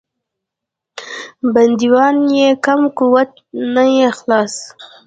بندیوان یې کم قوته نه یې خلاص.